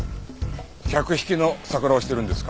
客引きのサクラをしてるんですか？